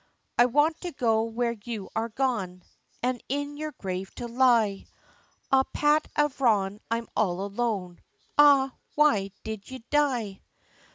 I want to go where you are gone, An' in your grave to lie! Ah! Pat avrone, I'm all alone, Arrah! why did ye die?